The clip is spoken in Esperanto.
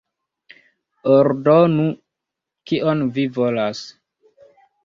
Ordonu, kion vi volas!